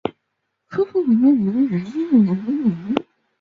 毛里求斯艳织雀是毛里求斯特有的一种鸟。